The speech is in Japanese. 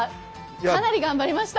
かなり頑張りました。